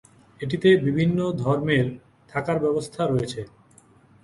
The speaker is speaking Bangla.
এটিতে বিভিন্ন ধর্মের থাকার ব্যবস্থা রয়েছে।